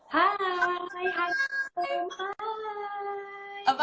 hai hanum hai